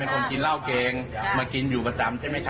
อ๋อแฟนเป็นคนกินเหล้าเกงมากินอยู่ประจำใช่มั้ยครับ